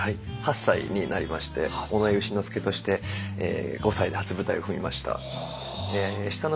８歳になりまして尾上丑之助として５歳で初舞台を踏みました。